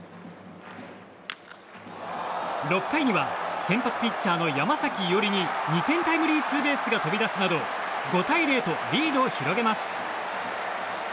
６回には先発ピッチャーの山崎伊織に２点タイムリーツーベースが飛び出すなど５対０とリードを広げます。